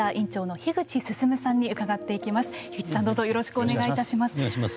樋口さん、どうぞよろしくお願いいたします。